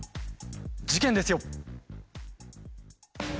事件ですよ。